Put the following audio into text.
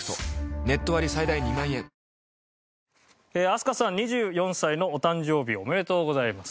飛鳥さん２４歳のお誕生日おめでとうございます。